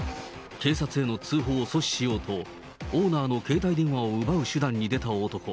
警察への通報を阻止しようと、オーナーの携帯電話を奪う手段に出た男。